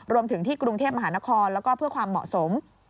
รวมถึงที่กรุงเทพมหานครแล้วก็เพื่อความเหมาะสม